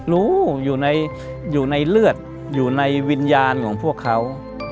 รู้อยู่ในเลือดอยู่ในวิญญาณของพวกเขา